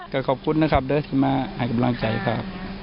ก็ขอบคุณนะครับด้วยที่มาให้กำลังใจครับ